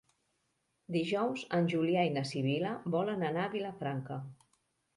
Dijous en Julià i na Sibil·la volen anar a Vilafranca.